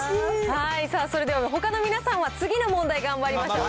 それではほかの皆さんは次の問題頑張りましょう。